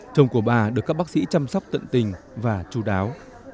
chồng của bà được các bác sĩ chăm sóc tận tình và chú đáo